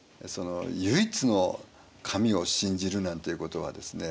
唯一の神を信じるなんていうことはですね